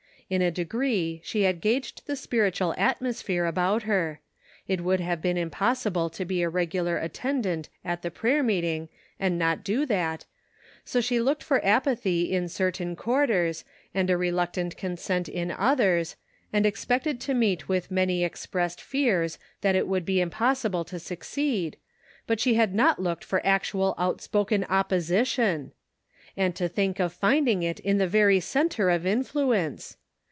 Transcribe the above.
In a degree she had guaged the spiritual atmosphere about her ; it would have been impossible to be a regular attendant at the prayer meeting and not do that — so she looked for apathy in cer tain quarters, and a reluctant consent in others, Seed Sown on Thorny Ground. 221 and ^expected to meet with many expressed fears that it would be impossible to succeed, but she had not looked for actual outspoken opposition ! And to think of finding it in the very center of influence